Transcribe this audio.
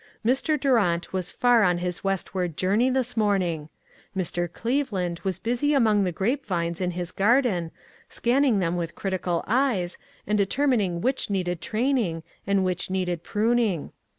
Mr. Durant was far on his Westward journey this morning. 154 ONE COMMONPLACE DAY. Mr. Cleveland was busy among the grape vines in his garden, scanning them with critical eyes, and determining which needed training, and which needed prun ing.